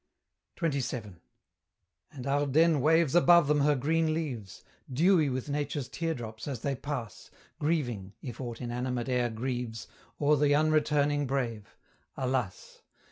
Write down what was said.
XXVII. And Ardennes waves above them her green leaves, Dewy with Nature's tear drops, as they pass, Grieving, if aught inanimate e'er grieves, Over the unreturniug brave, alas!